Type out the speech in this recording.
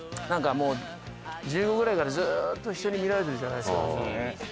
なんかもう１５ぐらいからずっと人に見られてるじゃないですか。